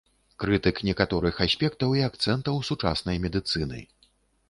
Крытык некаторых аспектаў і акцэнтаў сучаснай медыцыны.